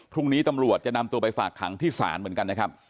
พรุ่งนี้ตำรวจจะนำตัวไปฝากขังที่ศาลเหมือนกันนะครับ